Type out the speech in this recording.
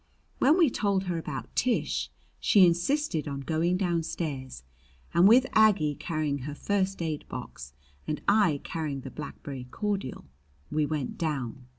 When we told her about Tish, she insisted on going downstairs, and with Aggie carrying her first aid box and I carrying the blackberry cordial, we went down.